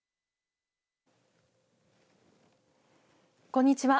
こんにちは。